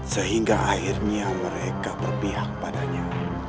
sehingga akhirnya mereka berpihak padanya